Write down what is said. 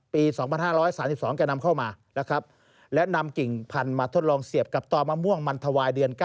ปี๒๕๓๒แกนำเข้ามานะครับและนำกิ่งพันธุ์มาทดลองเสียบกับต่อมะม่วงมันถวายเดือน๙